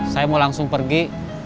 saya mau langsung pergi